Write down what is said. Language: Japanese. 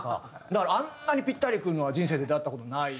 だからあんなにピッタリくるのは人生で出会った事ない。